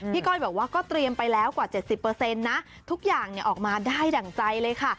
ก้อยบอกว่าก็เตรียมไปแล้วกว่า๗๐นะทุกอย่างออกมาได้ดั่งใจเลยค่ะ